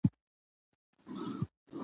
زه د خیر لاره تعقیبوم.